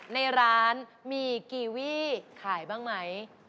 ในร้านมีกีวี่ขายบ้างไหม